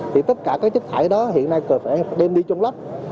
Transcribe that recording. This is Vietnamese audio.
thì tất cả các chất thải đó hiện nay cần phải đem đi trong lớp